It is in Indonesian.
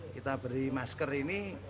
kita beri masker ini